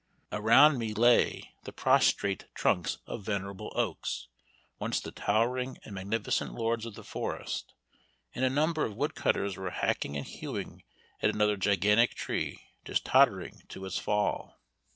Around me lay the prostrate trunks of venerable oaks, once the towering and magnificent lords of the forest, and a number of wood cutters were hacking and hewing at another gigantic tree, just tottering to its fall.